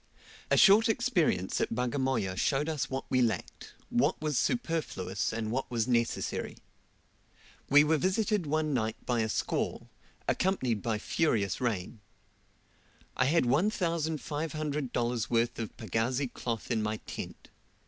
A short experience at Bagamoya showed us what we lacked, what was superfluous, and what was necessary. We were visited one night by a squall, accompanied by furious rain. I had $1,500 worth of pagazi cloth in my tent.